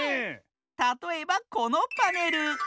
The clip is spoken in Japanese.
たとえばこのパネル。